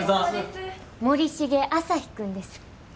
森重朝陽君です。